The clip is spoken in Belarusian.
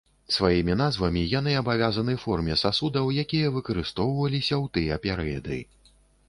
Сваімі назвамі яны абавязаны форме сасудаў, якія выкарыстоўваліся ў тыя перыяды.